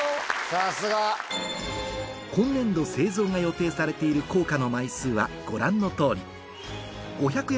さすが！今年度製造が予定されている硬貨の枚数はご覧の通り５００円